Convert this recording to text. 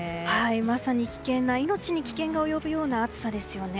まさに命に危険が及ぶような暑さですよね。